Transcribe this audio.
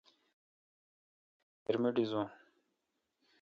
گین بب تانی کھیر می ڈیزوس۔